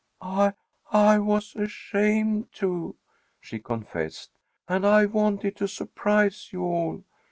"I I was ashamed to," she confessed, "and I wanted to surprise you all.